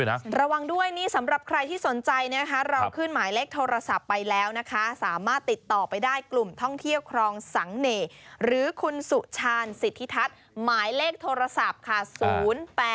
งูปล้องทองเหรอโออุ